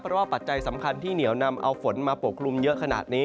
เพราะว่าปัจจัยสำคัญที่เหนียวนำเอาฝนมาปกคลุมเยอะขนาดนี้